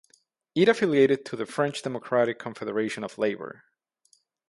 It affiliated to the French Democratic Confederation of Labour.